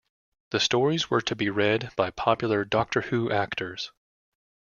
The stories were to be read by popular "Doctor Who" actors.